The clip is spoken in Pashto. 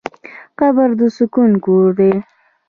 قبر د سکون کور دی.